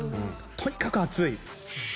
とにかく熱い。